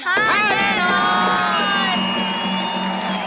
ห้าแน่นอน